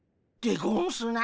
でゴンスな。